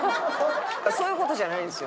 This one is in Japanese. そういう事じゃないんですよ。